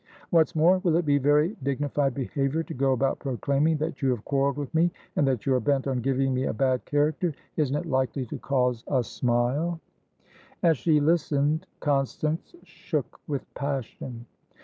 What's more, will it be very dignified behaviour to go about proclaiming that you have quarrelled with me, and that you are bent on giving me a bad character? Isn't it likely to cause a smile?" As she listened, Constance shook with passion.